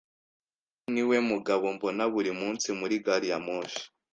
Uyu niwe mugabo mbona buri munsi muri gari ya moshi.